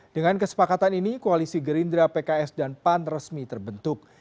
dengan kesepakatan ini koalisi gerindra pks dan pan resmi terbentuk